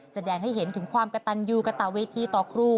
แสดงให้เห็นถึงความกระตันยูกระตะเวทีต่อครู